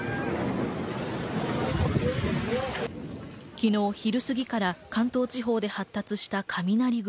昨日、昼過ぎから関東地方で発達した雷雲。